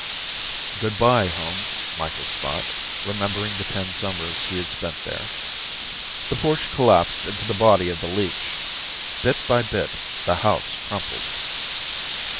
Good by, home, Micheals thought, remembering the ten summers he had spent there. The porch collapsed into the body of the leech. Bit by bit, the house crumpled.